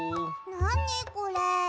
なにこれ？